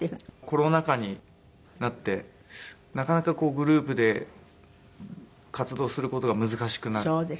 コロナ禍になってなかなかグループで活動する事が難しくなって。